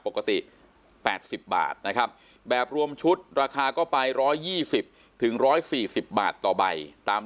ปกติ๘๐บาทนะครับแบบรวมชุดราคาก็ไป๑๒๐๑๔๐บาทต่อใบตาม